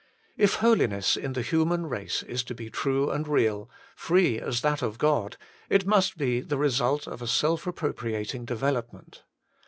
If holiness in the human race is to be true and real, free as that of God, it must be the result of a self appropriating development.